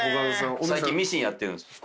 最近ミシンやってるんです。